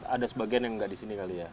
ada sebagian yang nggak di sini kali ya